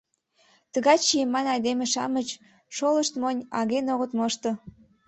Тыгай чиеман айдеме-шамыч шолышт монь, аген огыт мошто.